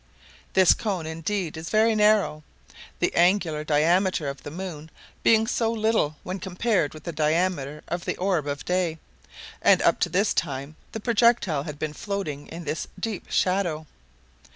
This cone, indeed, is very narrow, the angular diameter of the moon being so little when compared with the diameter of the orb of day; and up to this time the projectile had been floating in this deep shadow.